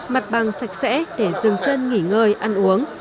mặt bằng sạch sẽ để dừng chân nghỉ ngơi ăn uống